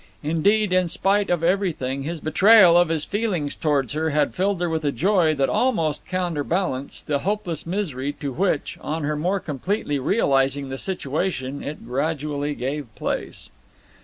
Indeed, in spite of everything, his betrayal of his feelings towards her had filled her with a joy that almost counterbalanced the hopeless misery to which, on her more completely realizing the situation, it gradually gave place.